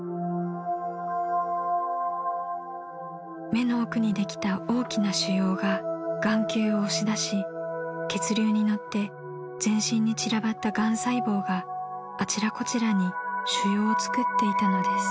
［目の奥にできた大きな腫瘍が眼球を押し出し血流に乗って全身に散らばったがん細胞があちらこちらに腫瘍を作っていたのです］